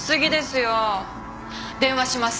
電話します。